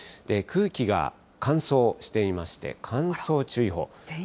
空気が乾燥していまして、乾燥注意報。